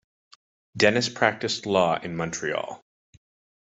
Denis practised law in Montreal.